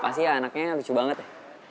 pasti ya anaknya lucu banget ya